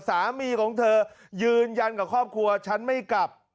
สามีของเธอยืนยันกับครอบครัวฉันไม่กลับ